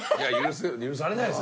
許されないです